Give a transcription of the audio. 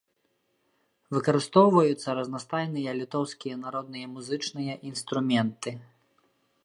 Выкарыстоўваюцца разнастайныя літоўскія народныя музычныя інструменты.